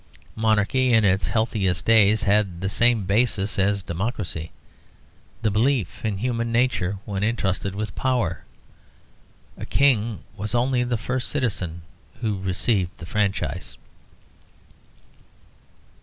Monarchy in its healthiest days had the same basis as democracy: the belief in human nature when entrusted with power. A king was only the first citizen who received the franchise.